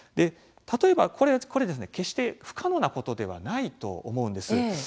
例えばこれ、決して不可能なことではないと思うんです。